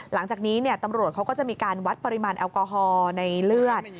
หลังจากนี้ตำรวจเขาก็จะมีการวัดปริมาณแอลกอฮอล์ในเลือด